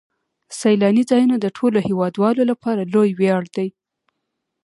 سیلاني ځایونه د ټولو هیوادوالو لپاره لوی ویاړ دی.